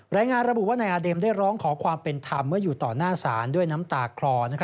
รายงานระบุว่านายอาเดมได้ร้องขอความเป็นธรรมเมื่ออยู่ต่อหน้าศาลด้วยน้ำตาคลอ